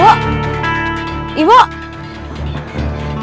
ibu di mana ya